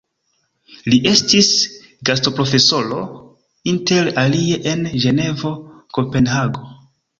Li estis gastoprofesoro inter alie en Ĝenevo, Kopenhago.